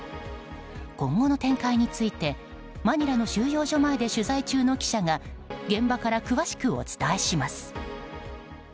今後の展開について、マニラの収容所前で取材中の記者が現場から詳しくお伝えします。